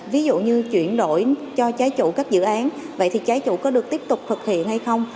ví dụ như chuyển đổi cho trái chủ các dự án vậy thì trái chủ có được tiếp tục thực hiện hay không